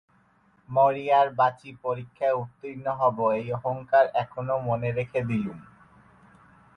মরি আর বাঁচি পরীক্ষায় উত্তীর্ণ হব এই অহংকার এখনো মনে রেখে দিলুম।